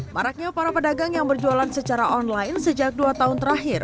maraknya para pedagang yang berjualan secara online sejak dua tahun terakhir